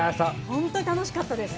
本当に楽しかったです。